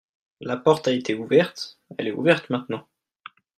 La porte a été ouverte, elle est ouverte maintenant.